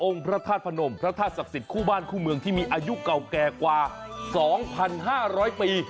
องค์พระธาตุพนมพระธาตุศักดิ์สิทธิ์คู่บ้านคู่เมืองที่มีอายุเก่าแก่กว่าสองพันห้าร้อยปี